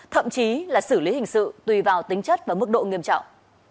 thậm chí là xử lý hình sự tùy vào tính chất và mức độ nghiêm trọng